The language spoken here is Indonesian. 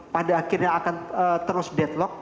pada akhirnya akan terus deadlock